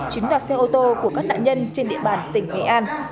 chứng đoạt xe ô tô của các nạn nhân trên địa bàn tỉnh thái an